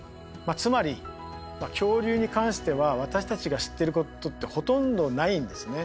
つまり恐竜に関しては私たちが知ってることってほとんどないんですね。